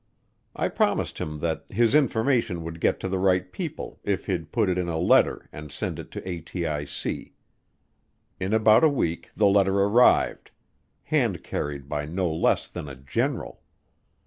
I promised him that his information would get to the right people if he'd put it in a letter and send it to ATIC. In about a week the letter arrived hand carried by no less than a general.